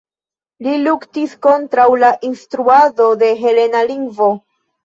Li luktis kontraŭ la instruado de helena lingvo.